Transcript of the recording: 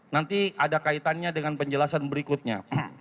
nanti ada kaitannya dengan penjelasan berikutnya